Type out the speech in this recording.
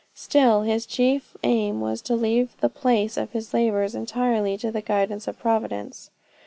Still his chief aim was to leave the place of his labors entirely to the guidance of Providence.